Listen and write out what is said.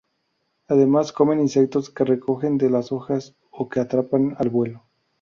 Además comen insectos que recogen de las hojas o que atrapan al vuelo.